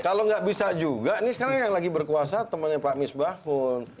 kalau gak bisa juga ini sekarang yang lagi berkuasa temennya pak misbahun